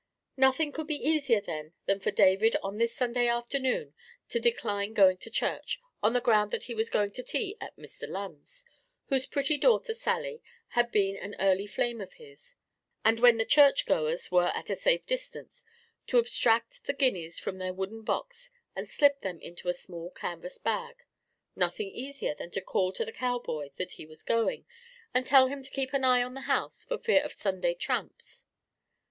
Nothing could be easier, then, than for David on this Sunday afternoon to decline going to church, on the ground that he was going to tea at Mr. Lunn's, whose pretty daughter Sally had been an early flame of his, and, when the church goers were at a safe distance, to abstract the guineas from their wooden box and slip them into a small canvas bag—nothing easier than to call to the cowboy that he was going, and tell him to keep an eye on the house for fear of Sunday tramps.